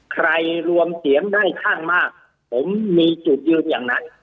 รวมเสียงได้ข้างมากผมมีจุดยืนอย่างนั้น